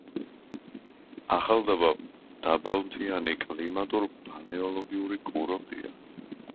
ახალდაბა დაბალმთიანი კლიმატურ-ბალნეოლოგიური კურორტია.